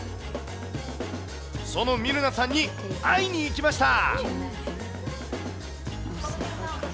そのミルナさんに会いに行きました。